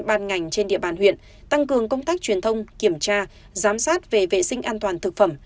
ban ngành trên địa bàn huyện tăng cường công tác truyền thông kiểm tra giám sát về vệ sinh an toàn thực phẩm